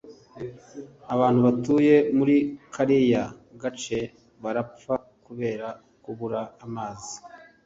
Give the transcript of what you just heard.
Abantu batuye muri kariya gace barapfa kubera kubura amazi.